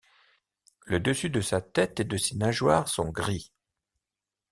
Le dessus de sa tête et de ses nageoires sont gris.